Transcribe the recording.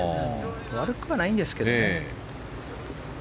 悪くはないんですけどね。